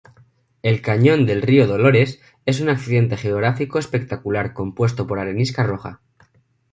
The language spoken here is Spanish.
El Cañón del Río Dolores es un accidente geográfico espectacular compuesto por arenisca roja.